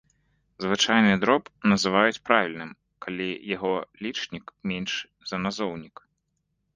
Звычайны дроб называюць правільным, калі яго лічнік меншы за назоўнік.